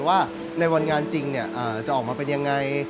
ว่าในวันงานจริงจะออกมาเป็นยังไง